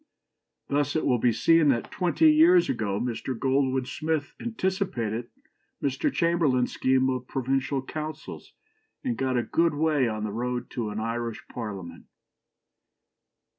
" Thus it will be seen that twenty years ago Mr. Goldwin Smith anticipated Mr. Chamberlain's scheme of provincial councils, and got a good way on the road to an Irish Parliament.